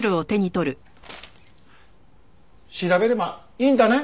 調べればいいんだね？